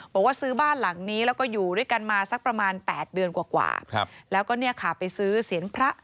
บอกว่าซื้อบ้านหลังนี้แล้วก็อยู่ด้วยกันมาสักประมาณ๘เดือนกว่าครับแล้วก็เนี่ยค่ะไปซื้อเสียงพระ